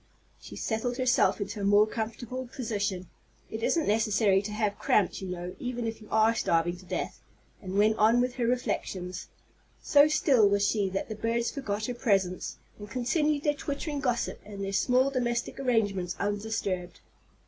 '" She settled herself into a more comfortable position, it isn't necessary to have cramps, you know, even if you are starving to death, and went on with her reflections. So still was she that the birds forgot her presence, and continued their twittering gossip and their small domestic arrangements undisturbed.